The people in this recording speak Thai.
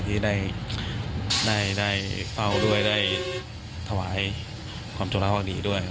ที่ได้เฝ้าด้วยได้ถวายความจุลาวดีด้วย